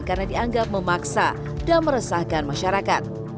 karena dianggap memaksa dan meresahkan masyarakat